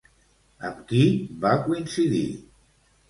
Amb qui va coincidir?